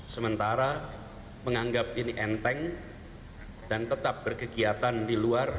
sementara menganggap ini enteng dan tetap berkegiatan di luar